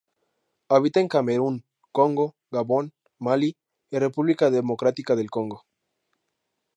Habita en Camerún, Congo, Gabón, Malí, y República Democrática del Congo.